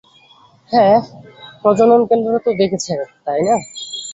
হ্যাঁ, প্রজনন কেন্দ্রটা তো দেখেছো, তাই না?